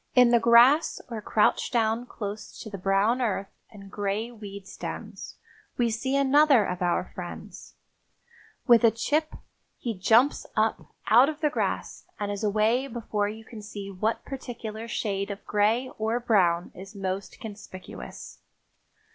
In the grass or crouched down close to the brown earth and gray weed stems we see another of our friends. With a "chip" he jumps up out of the grass and is away before you can see what particular shade of gray or brown is most conspicuous.